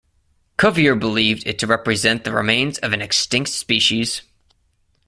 Cuvier believed it to represent the remains of an extinct species.